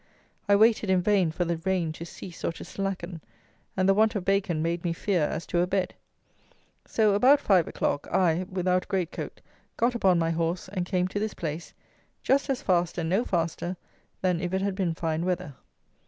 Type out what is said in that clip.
I waited in vain for the rain to cease or to slacken, and the want of bacon made me fear as to a bed. So, about five o'clock, I, without great coat, got upon my horse, and came to this place, just as fast and no faster than if it had been fine weather.